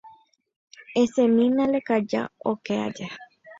esẽmina lekaja oke aja.